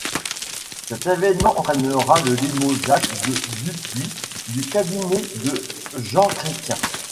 Cet évènement entraînera le limogeage de Dupuy du Cabinet de Jean Chrétien.